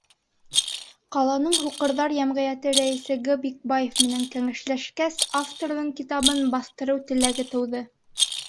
Ҡаланың һуҡырҙар йәмғиәте рәйесе Г. Бикбаева менән кәңәшләшкәс, авторҙың китабын баҫтырыу теләге тыуҙы.